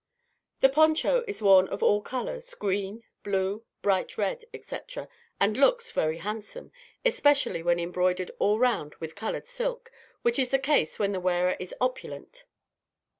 The Poncho is worn of all colours, green, blue, bright red, etc., and looks very handsome, especially when embroidered all round with coloured silk, which is the case when the wearer is opulent.